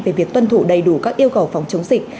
về việc tuân thủ đầy đủ các yêu cầu phòng chống dịch